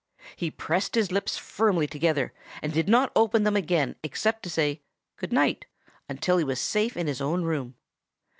He pressed his lips firmly together, and did not open them again except to say 'Good night,' until he was safe in his own room.